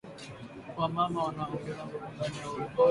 Wa mama wana ongeza nguvu ndani ya urimaji